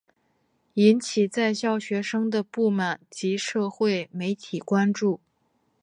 引起在校学生的不满及社会媒体关注。